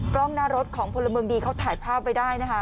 กล้องหน้ารถของพลเมืองดีเขาถ่ายภาพไว้ได้นะคะ